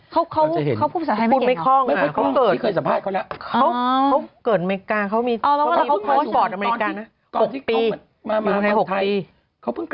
มันพูดไม่เครื่อง